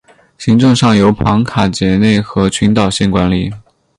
行政上由庞卡杰内和群岛县管理。